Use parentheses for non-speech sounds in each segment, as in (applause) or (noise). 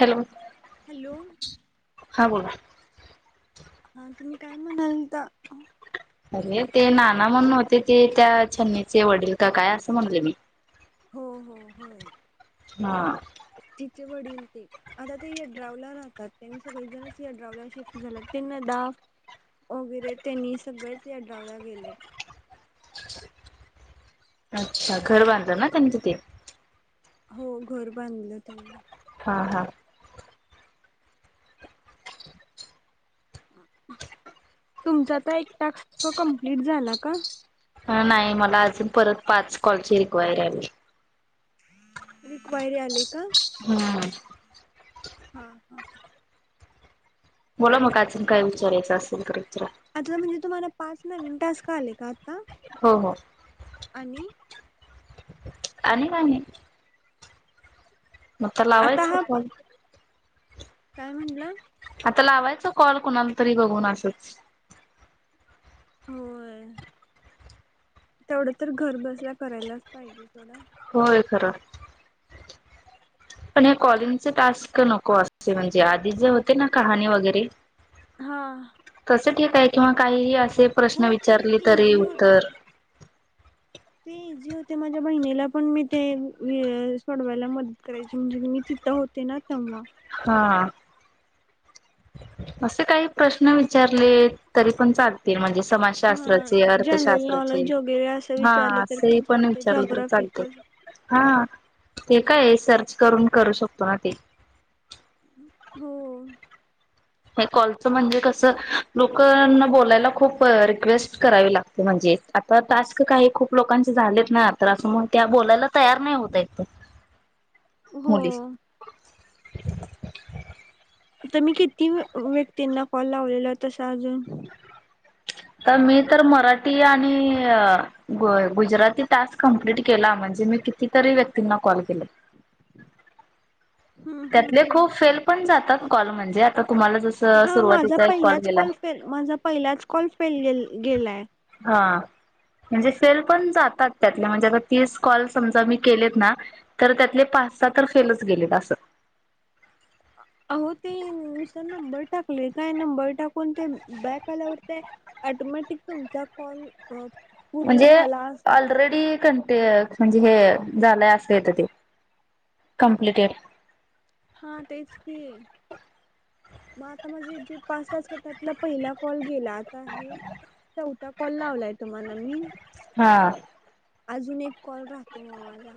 Hello. Hello. हा बोला. हा तुम्ही काय म्हणाल तर अरे ते नाना म्हणून होते ते त्या छन्नीचे वडील का काय असं म्हणले मी हो हो होय. हा. तिचे वडील ते आता ते या ड्रावला राहतात त्यांनी सगळेजणच याड्रावला शिफ्ट झाला त्यांना द वगैरे त्यांनी सगळेच याड्रावला गेलेत. अच्छा घर बांध ना त्यांनी तिथे हो घर बांधलं त्यांनी हा हा. तुमचा तर एक टास्क कमप्लीट झाला का? नाही मला अजून परत पाच कॉलची रिक्वायरी आली एम रिक्वायरी आली का? हम्म. हा हा ह. बोला मग अजून काय विचारायचं असेल तर विचारा आता म्हणजे तुम्हाला पाच न मिनटास का आलेय का आता हो हो. आणि आणि नाही. मग तर आता लावायचं हा का? पा काय म्हणलं? आता लावायचा कॉल कुणाला तरी बघून असच. होय तेवढं तर घरबसल्या करायलाच पाहिजे थोडा होय खरं. पण हे कॉलिंगचे टास्क नको असे म्हणजे आधी जे होते ना कहाणी वगैरे हा. तस ठीक आहे किंवा काहीही असे प्रश्न हो ते विचारले तरी इझी होते उत्तर ते इझी होते माझ्या बहिणीला पण मी ते सोडवायला मदत करायची म्हणजे मी ति होते ना ते्हा हा. असे काही प्रश्न विचारले तरी पण चाल त म्हणजे हा समाजशास्त्राचे जनरल अर्थशास्त्राचे नॉलेज वगैरे असं हा विचारलं तरी असंही पण चालते विचारलं तर चालत जॉग्राफिकल. हा ते काय सर्च करून करू शकतो ना ते हो हे कॉलचं म्हणजे कसं लोकना बोलायला खूप रिक्वेस्ट करावी लागते ते म्हणजे आता टास्क काही खूप लोकांचे झालेत ना तर असं मण त्या बोलायला तयार नाही होत आहेत हो मुली तर मी किती व्यक्तींना कॉल लावलेला तसा अजून तर मी तर मराठी आणि ग गुजराती टास्क कंप्लीट केला म्हणजे मी कितीतरी व्यक्तींना कॉल केले (inaudible) हम्म हम्म त्यातले हम्म खूप फेल पण जातात कॉल म्हणजे आता तुम्हाला जस हा माझा सुरुवातीचा एक कॉल पहिलाच केेला माझा पहिलाच कॉल फेल गे गेलाय हा म्हणजे फेल पण जातात त्यातल्या म्हणजे आता तीस कॉल समजा मी केलेत ना तर त्यातले पाच स तर फेलच गेलेत असं हां अ होो ते नुसर नंबर टाकले काय नंबर टाकून ते बॅक आल्यावर ते ऑटोमॅटिक तुमचा कॉल पूर्ण म्हणजे झाला असं ऑलरेडी कंट म्हणजे हे झालंय असं येत ते कमप्लटेड हा तेच की आहे मग आता म्हणझे जे पाच तच क त्यातला पहिला कॉल गेला आहे च उता कॉल लावलाय तुम्हाला मी हा अजून एक कॉल राहतो मग माझा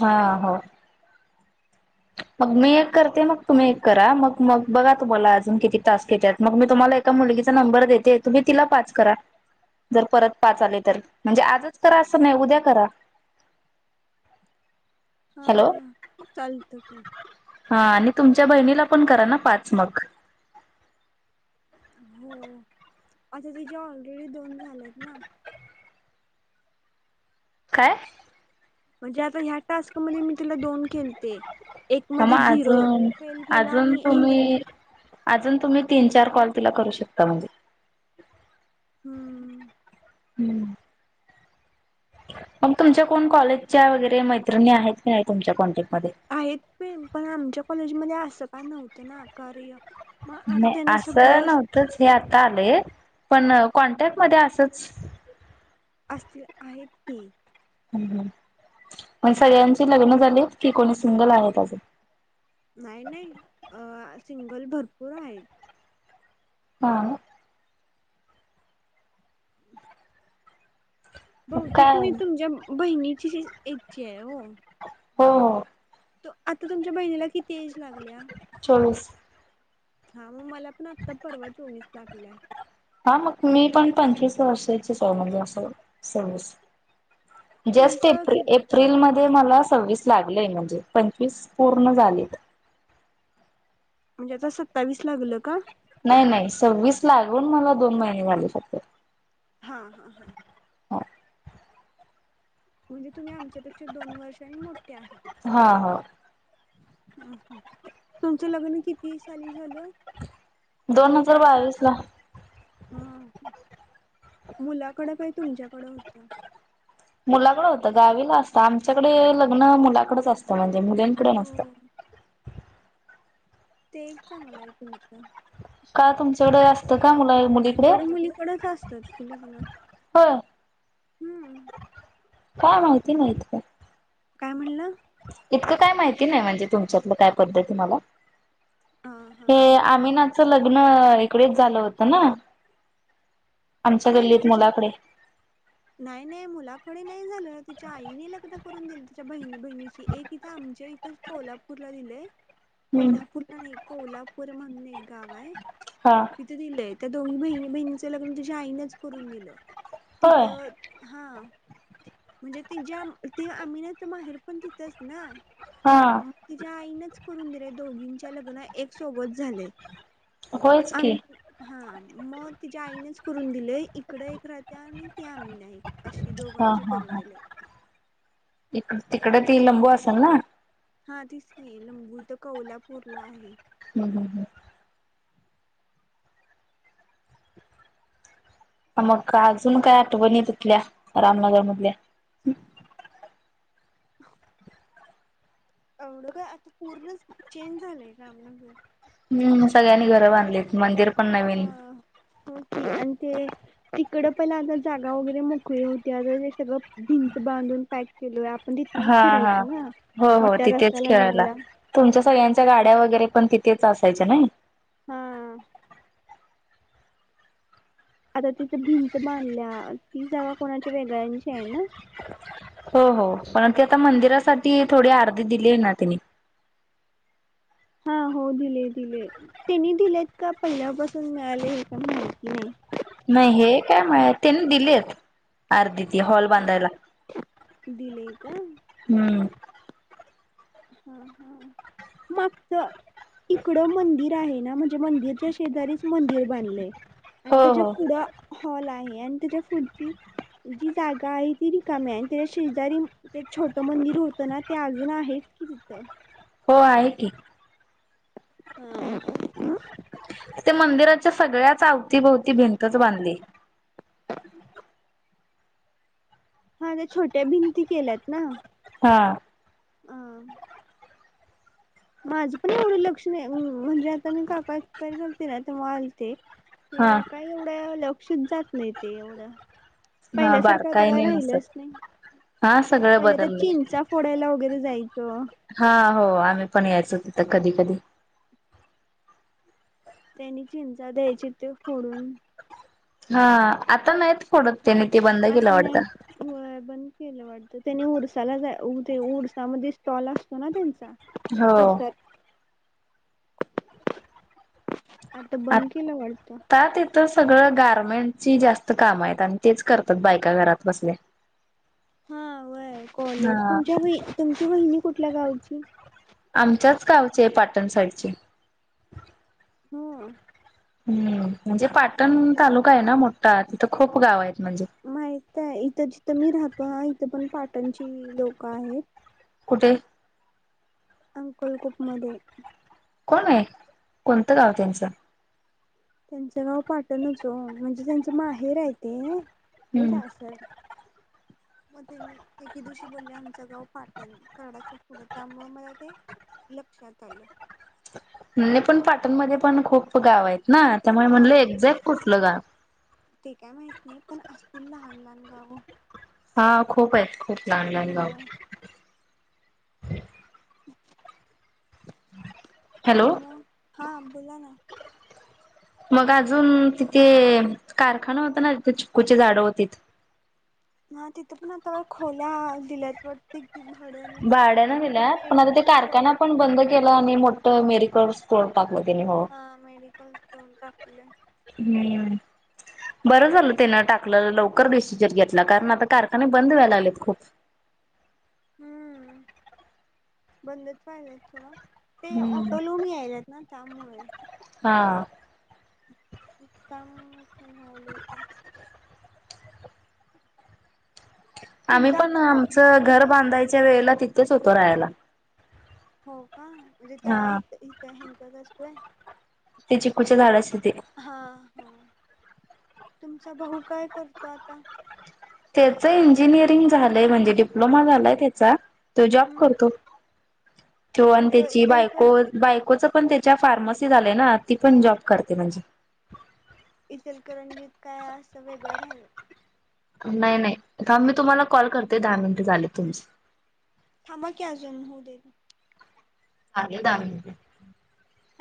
हा होा मग मी एक करते मग तुम्ही एक करा मग मग बघा तुम्हाला अजून किती तास घेतात मग मी तुम्हाला मुलगीचा नंबर देते तुम्ही तिला पाच करा जर परत पाच आले तर म्हणजे आजच करा असं नाही उद्या करा हा हॅलो हा चालत तेी हा आणि तुमच्या बहिणीला पण करा ना पाच मग हो आता तिच्या ऑलरेडी दोन झालेत ना काय म्हणजे आता ह्या टास्क मध्ये मी तिला दोन खेळते एक ह मध्ये मग झिरो अजून फेल केला अजून आणि एक तुम्ही अजून तुम्ही तीन चार कॉल तिला करू शकता म्हणजे हम् हं मग तुमच्या कोण कॉलेजच्या वगैरे मैत्रिणी आहेत की नाही तुमच्या कॉन्टॅक्टमध्येध्ये आहेत पण पण आमच्या कॉलेजमध्ये असं का नव्हतं ना कार्य मग आता नाही त्यांना असं सगळं नव्हतच हे आता आले पण कॉन्टॅक्ट मध्ये असंच असतील आहेत की मण सगळ्यांचे लग्न झाले की कोणी सिंगल आहेजं नाही नाही सिंगल भरपूर आहेत हा मग बहुतेक काय मी हो तुमच्या बहिणीची इच्छा आहे हो हो हो त आता तुमच्या बहिणीला किती एज लागल्या चचास हा मग मला पण आत्ता परवा चोवीस लागलाय हा मग मी पण पंचवीस वर्षाचीच म्हज अस सर्स तुमचं जस्टप कि एप्रिल म मला सव्वीस लागलेय म्हणजे पंचवीस पूर्ण झालीत म्हणजे आता सत्तावीस लागलं का नाही नाही सव्वीस लागून मला दोन महिने झाले फक्त हा हा हा हो म्हणजे तुम्ही आमच्यापेक्षा दोन वर्षांनी मोठे आहे हा हा ह ह तुमचं लग्न किती साली झालं दोन हजार चार सा बावीस ला हा मुलाकडं काय तुमच्याकडें होतं मुलाकडं होतं गावीला असतं आमच्याकडे लग्न मुलाकडच असतं म्हणजे मुलींकडे नसतं हो ते एक चांगला आहे तुमचं का तुमच्याकडे असतं का मुला मुलीकडे आमच्याकडडे मुलीकडच असतात की लग्न हो हम्म काय माहिती माहती का काय म्हणलं इतकं काय माहिती नाही म्हणजे तुमच्यातलं काय पद्धत मला हां हां आणि हे त आमिनाचं लग्न इकडेच झालं होतं ना आमच्या नाही गल्लीत तिजा मुलाकडे नाही नाही मुलाकडे नाही झालं तिच्या आईने लग्न करून दिलं त्यािच्या बहिणी बहिणीची एक इथं आमच्या इथं कोल्हापूरला दिलेय हम्म कोल्हापूरला नाही कोल्हापूर म्हणून एक गाव आहे हा तथ दिलंय त्या दोन्ही महि महिनच लगन तच्या आईनेच करून दिलं होय तिथं हा म्हणजे त ज्या ते आम्ही ना तर माहेर पण तिथच ना हा तिच्या्या आईनच करून दिलं दोघींच्या लग्न एक सोबत झालेय होयच आ की हा मग तिच्या्या आईनेच करून दिले इकड एक राहत्या आणि ती आम्ही नाही अशी दो हा हा ह इक तिकडे ती लंबू असेल ना हा तीचकीी लंबूथ कोौल्हापूरला आहे हम् हम हम् मग अजून काय आठवणी तिथल्या रामनगर मधल्या (inaudible) एवढं का आता पूर्णच चेंज झालंय रामनगर हम्म सगळ्यांनी घर बांधले मंदिर पण हा नवीन हो आणि ते तिकड प आता जागा वगैरे मोकळी होतीता ते सगळं भिंच बांधून पॅक केलो पण तिथनच हा फिरायच हा ना हो हो मोठ्या तिथेच रस्त्याला खेळायला जाण्याला तुमच्या सगळ्यांच्या गाड्या वगैरे पण तिथेच असायच्या नाही हा. आता तिथं भिंत बांधल्या ती जागा कोणाच्या वेगळ्यांची आहे ना. हो हो परण त आता मंदिरासाठी थोडी आरती दिली आहे ना त्यािने हा हो दिले दिले त्यांनी दिलेत का पहिल्यापासून मिळाले हे का माहिती नाही. नाही हे काय त्यांनी दिलेत आरतीती हॉल बांधायला दिलेय का? हम्म. हा हा मागच इकड मंदिर आहे ना म्हणे. मंदिरच्या शेजारीच मंदिर बांधले आणि हो त्याच्या हो फुढं हॉल आहे आणि त्याच्या पुढची जी जागा आहे ती रिकामी आहे आणि त्याच्या शेजारी छोटं मंदिर होतं ना ते अजून आहेत कि तिथं. हो आहे की हा. ते मंदिराच्या सगळ्याच आवतीभोवती भिंतच बांधली. हा नाही छोट्या भिंती केल्यात ना. हा. हम. माझं पण एवढं लक्षण म्हणजे आता मी काका एक्सपायर लते ना तेव्हा आलते. हा ते काही एवढं लक्षच जात नाही ते एवढं. हा पहिल्या सारकार तर काय बारकाईने राहिलंच नसत नाही हा सगळं पहिलं तर बदलले चीनचा फोडायला वगैरे जायचं. हा हो आम्ही पण यायचो तिथं कधी कधी त्यांनी चिंता द्यायची ते फोडून हा आता नाहीत. होडते असं नाही. होय बंद केलं वाटत त्यानी उरसाला जा उरसामध्ये स्टॉल असतो ना त्यांचा हो. उरसात आता आ बंद केलं वाटतं का ते तर सगळं गारमेंटची जास्त काम आहेत आणि तेच करतात बायका घरात बसले. हा व कॉलर हा तुमच्या तुमची बहिणी कुठल्या गावची आमच्याच गावचे आहे पाटण साईडचे हो. हम्म म्हणजे पाटण तालुका आहे ना मोठा तिथं खूप गाव आहेत म्हणजे माहित आहे इथं जिथं मी राहतो हा इथं पण पाटणची लोकं आहेत. कुठे? अंकल कुपमध्येध्ये कोण आहे कोणतं गाव त्यांचं त्यांचं गाव पाटणच हो म्हणजे त्यांचं माहेर आहे ते हेच हम्म असं. मध्ये म एके दिवशी बोलले आमचं गाव पाटण कडाच्या पुढं त्यामुळे मला ते लक्षात आलं. नाही पण पाटणमध्ये पण खूप गाव आहेत ना त्यामुळे हा म्हणलं हो एक्झॅक्ट मला कुठलं गाव ते काय माहित नाही पण असतील लहान लहान गावं हा खूप आहेत खूप लहान लहान गाव हॅलो म हा बोला ना. मग अजून तिथे कारखाना होता ना तिथे चिककूची झाडं होती. हा तिथं पण आता खोल्या दिल्यात त घडणे भाड्यानं आणिंत दिल्यात पण आता ते मेडिकल स्टोअर कारखाना पण बंद केलं आणि मोठं मेरिकस करतगे हो हा मेडिकल स्टोर ट आपलं नाही् बरं झालं त्यानं टाकलं लवकर डिस्सिजर घेतला कारण आता कारखाने बंद व्हायला आलेत खूप हम् बंदच पाहिजत थोडं ते हम्म. ऑटो लहून यायलात ना त्यामुळे हां कम ठ भा्हालेेत आम्ही तुमचा पण आता भाऊ आमचं भाऊ घर काय बांधायच्या वेळेला तिथेच होतो राहायला हो का म्हणजे त्या हा. इथ इथ ह्यांच्याच असतोय ते चिकिकूचे झाड अस ते हा हा तुमचा भाऊ काय करतो आता त्याच इंजिनिअरिंग झालंय म्हणजे डिप्लोमा झालाय त्याचा तो जॉब हम्म करतो तो आणि कुठं त्याची बायको इचलकर बायकोचं पण त्याच्या फार्मसी झाले ना ती पण जॉब करते म्हणजे इथलकरणजीत काय असं वेगं आहे नाही नाही तर मी तुम्हाला कॉल करते दहा मिनट झाले तुमचे थांमाकी अजून होऊ दे हे दहा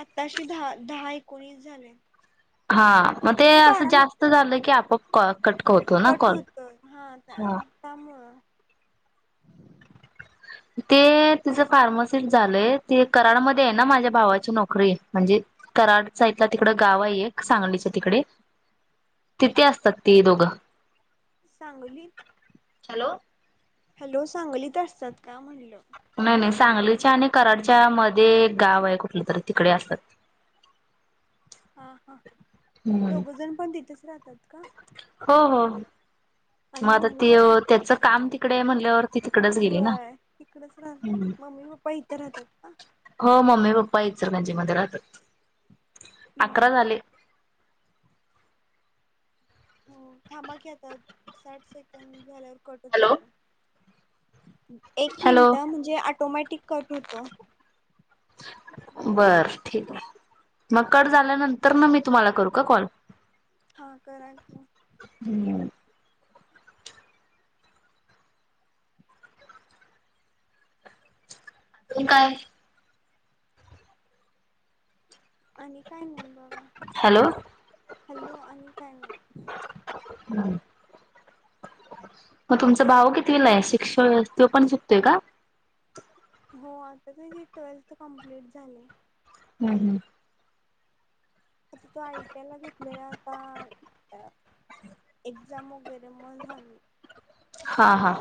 आत्ताश दहा दहा एकोणीस झाले हा मग ते असं बारा मि जास्त झालं की आपप क कटकवतो ना कल हा काम ते तिचं फार्मसिस्ट झालंय ते कराडमध्येध्ये आहे ना माझ्या भावाची नोकरी म्हणजे कराड साइडला तिकड गाव आहे एक सांगलीच तिकडे तिथे असतात ती दोघं सांगलीत हॅलो हॅलो सांगलीत असतात का म्हणल नाही नाही सांगलीच्या आणि कराडच्या मध्ये एक गाव आहे कुठलं तरी तिकडे असतात हा हा हम्म दोघ जण पण तिथेच राहतात का हो हो आणि मग आता ते मुंबई त्याच काम तिकडे म्हणल्यावर ती तिकडेच गेली ना होय तिकडेच राह हम्म मम्मी पप्पा इथे राहतात का हो मम्मी पप्पा इ सर त्यांच्या मध्ये राहतात हम्म अकरा झाले हो थांबा घे आता साठ सेकंड झाल्यावर कटच हॅलो होत एक हॅलो मिनिट म्हणजे ऑटोमॅटिक कट होतं बर ठीक आहे मग कट झाल्यानंतर ना मी तुम्हाला करू का कॉल हा कराच हम्म. त काय? आणि काय नाही बघा हॅलो हॅलो आणि काय नाही. हम्. मग तुमचा भाव किती वला आहे शिक्षक तो पण चुकतोय का? हो आता त ट्वेल्थ कमप्लीट झाले. हम् हम्. आता तो आयटीएल ला घेतलेला आता एक्झाम वगैरे मग झाली. हा हा.